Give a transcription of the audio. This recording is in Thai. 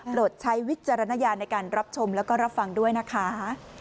ใช้วิจารณญาณในการรับชมแล้วก็รับฟังด้วยนะคะ